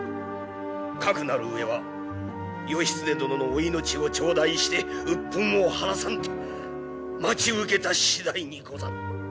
かくなる上は義経殿のお命を頂戴して鬱憤を晴らさんと待ち受けた次第にござる。